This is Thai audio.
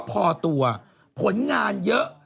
พอตัวผลงานเยอะ